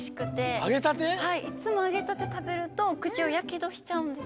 はいいつもあげたてたべるとくちをやけどしちゃうんですよ。